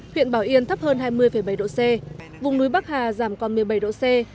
huyện bảo yên thấp hơn hai mươi bảy độ c vùng núi bắc hà giảm còn một mươi bảy độ c